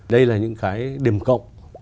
đây là những cái điểm cộng